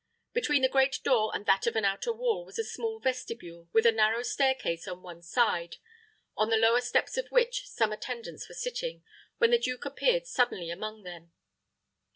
Between the great door and that of an outer hall was a small vestibule, with a narrow stair case on one side, on the lower steps of which some attendants were sitting, when the duke appeared suddenly among them.